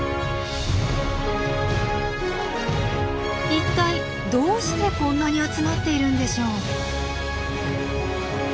一体どうしてこんなに集まっているんでしょう？